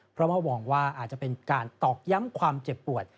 เพราะว่ามองว่าอาจจะเป็นการตอกย้ำความเจ็บปวด